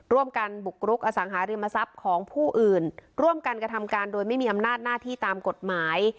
ร่วมกันบุกรุกอสังหาริมทรัพย์ของผู้อื่นร่วมกันกระทำการโดยไม่มีอำนาจหน้าที่ตามกฎหมาย